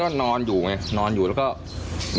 คุณแฟนมีเร็วและย่อสร้าง